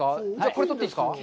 これを取っていいですか？